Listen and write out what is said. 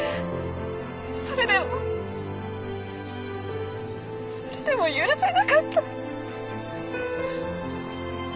それでもそれでも許せなかった。